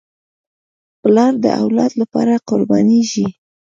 پلار د اولاد لپاره قربانېږي.